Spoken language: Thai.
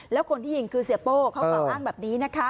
แล้วคนที่ยิงคือเสียโป้เขากล่าวอ้างแบบนี้นะคะ